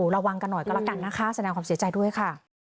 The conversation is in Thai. ระวังกันหน่อยก็แล้วกันนะคะแสดงความเสียใจด้วยค่ะ